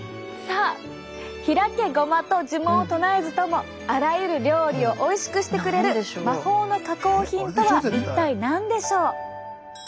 さあひらけごまと呪文を唱えずともあらゆる料理をおいしくしてくれる魔法の加工品とは一体何でしょう？